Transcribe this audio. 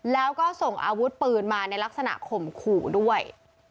แล้วก็ส่งอาวุธปืนมาในลักษณะข่มขู่ด้วย